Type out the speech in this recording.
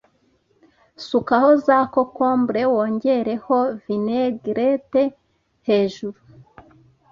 Sukaho za cocombre wongereho vinaigrette hejuru